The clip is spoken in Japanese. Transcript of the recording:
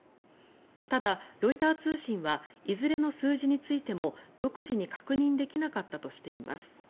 ただ、ロイター通信はいずれの数字についても独自に確認できなかったとしています。